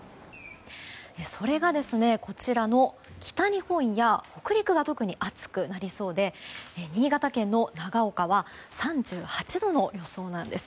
それがこちらの北日本や北陸が特に暑くなりそうで新潟県の長岡は３８度の予想なんです。